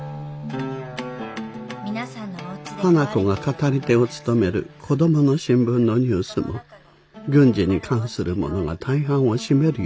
花子が語り手を務める「コドモの新聞」のニュースも軍事に関するものが大半を占めるようになりました。